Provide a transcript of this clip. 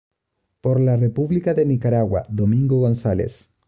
Por la República de Nicaragua: Domingo González.